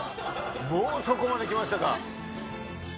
もうそこまできましたか。